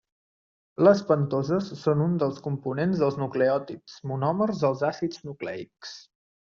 Les pentoses són un dels components dels nucleòtids, monòmers dels àcids nucleics.